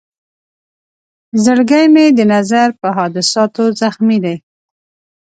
زړګی مې د نظر په حادثاتو زخمي دی.